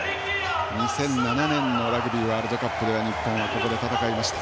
２００７年のラグビーワールドカップでは日本は、ここで戦いました。